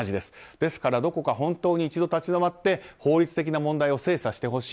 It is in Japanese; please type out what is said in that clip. ですからどこか本当に一度立ち止まって法律的な問題を精査してほしい。